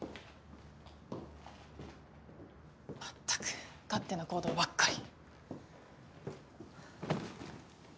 まったく勝手な行動ばっかり。